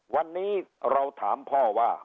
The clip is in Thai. วันนี้เราถามพ่อว่า